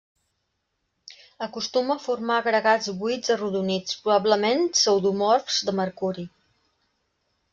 Acostuma a formar agregats buits arrodonits, probablement pseudomorfs de mercuri.